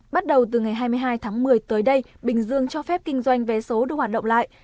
bắt đầu từ ngày hai mươi hai tháng một mươi tới đây bình dương cho phép kinh doanh vé số được hoạt động lại